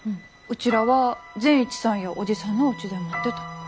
うちらは善一さんやおじさんのおうちで待ってた。